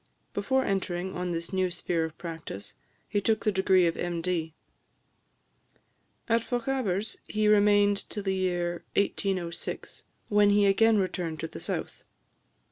Before entering on this new sphere of practice, he took the degree of M.D. At Fochabers he remained till the year 1806, when he again returned to the south.